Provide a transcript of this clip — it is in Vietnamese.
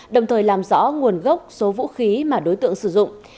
đồng thời làm rõ nguồn gốc số vũ khí mà đối tượng sử dụng